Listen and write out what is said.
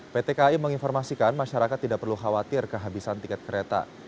pt kai menginformasikan masyarakat tidak perlu khawatir kehabisan tiket kereta